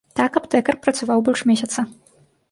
Так аптэкар працаваў больш месяца.